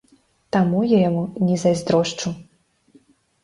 Таму я яму не зайздрошчу.